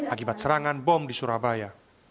akibat serangan bom di surabaya